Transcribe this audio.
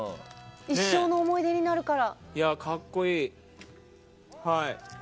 一生の思い出になるから。